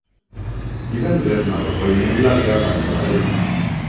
Divendres na Rosó i n'Eulàlia van a Sabadell.